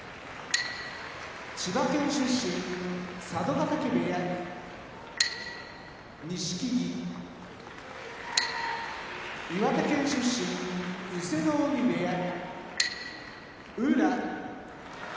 千葉県出身佐渡ヶ嶽部屋錦木岩手県出身伊勢ノ海部屋宇良